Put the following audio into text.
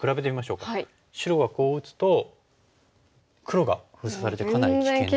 白がこう打つと黒が封鎖されてかなり危険ですよね。